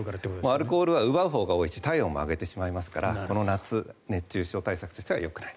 アルコールは奪うほうが多いし体温も上げてしまいますからこの夏、熱中症対策としてはよくない。